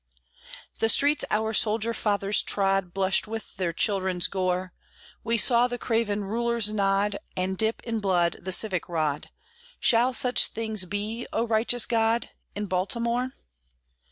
The streets our soldier fathers trod Blushed with their children's gore; We saw the craven rulers nod, And dip in blood the civic rod Shall such things be, O righteous God, In Baltimore?